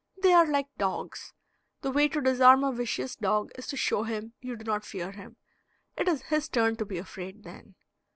They are like dogs. The way to disarm a vicious dog is to show him you do not fear him; it is his turn to be afraid then.